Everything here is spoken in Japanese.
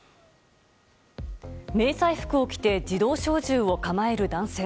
迷彩服を着て自動小銃を構える男性。